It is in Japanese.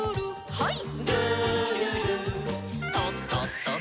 はい。